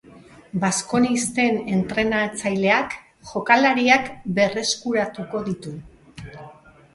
Baskonisten entrenatzaileak jokalariak berreskuratuko ditu.